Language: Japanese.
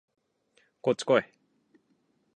こっちこい